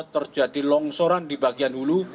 terjadi longsoran di bagian hulu